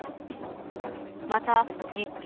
また一見、